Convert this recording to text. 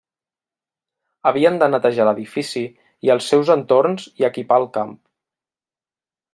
Havien de netejar l'edifici i els seus entorns i equipar el camp.